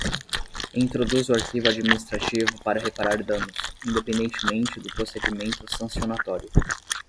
E introduz o arquivo administrativo para reparar danos, independentemente do procedimento sancionatório.